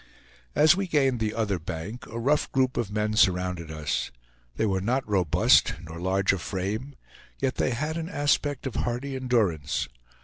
As we gained the other bank, a rough group of men surrounded us. They were not robust, nor large of frame, yet they had an aspect of hardy endurance.